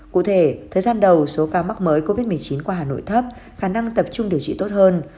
cụ thể thời gian đầu số ca mắc mới covid một mươi chín qua hà nội thấp khả năng tập trung điều trị tốt hơn